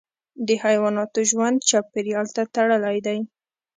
د حیواناتو ژوند چاپیریال ته تړلی دی.